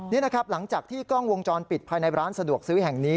นี่นะครับหลังจากที่กล้องวงจรปิดภายในร้านสะดวกซื้อแห่งนี้